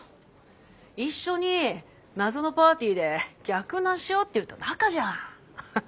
一緒に謎のパーティーで逆ナンしようって言った仲じゃん。